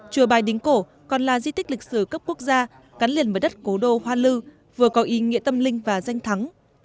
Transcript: chùa bài đính cổ còn là di tích lịch sử cấp quốc gia gắn liền với đất cố đô hoa lư vừa có ý nghĩa tâm linh và danh thắng